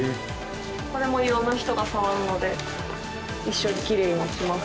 これも色んな人が触るので一緒にきれいにします。